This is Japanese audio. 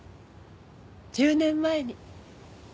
１０年前に。